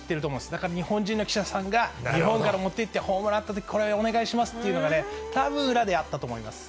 だから、日本人の記者さんが、日本から持っていって、ホームラン打ったとき、これ、お願いしますっていうのがね、たぶん裏であったと思います。